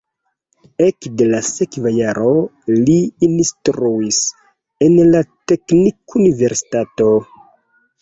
Ekde la sekva jaro li instruis en la teknikuniversitato.